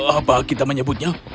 apa kita menyebutnya